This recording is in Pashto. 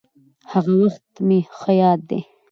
هغه وخت مې ښه ياد دي.